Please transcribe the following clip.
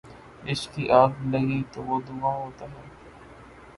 عشق کی آگ لگی ہو تو دھواں ہوتا ہے